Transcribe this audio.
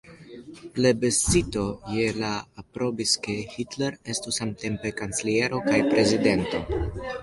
Plebiscito je la aprobis, ke Hitler estu samtempe kanceliero kaj prezidento.